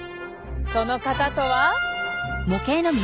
その方とは。